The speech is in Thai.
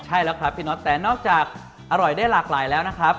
ใช่แล้วครับพี่น็อตแต่นอกจากอร่อยได้หลากหลายแล้วนะครับ